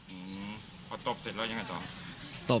อืมพอตบเสร็จแล้วยังไงต่อ